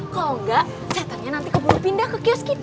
kalau tidak si setan akan keburu pindah ke kios kita